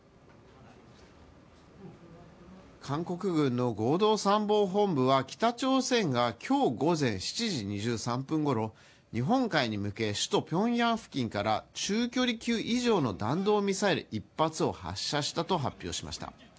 韓国軍の合同参謀本部は北朝鮮が今日午前７時２３分ごろ日本海に向け首都ピョンヤン付近から中距離級以上の弾道ミサイル１発を発射したと発表しました。